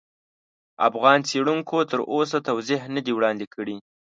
افغان څېړونکو تر اوسه توضیح نه دي وړاندې کړي.